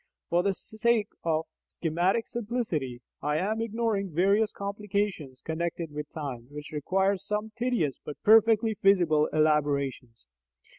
(For the sake of schematic simplicity, I am ignoring various complications connected with time, which require some tedious but perfectly feasible elaborations.)